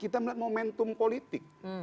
kita melihat momentum politik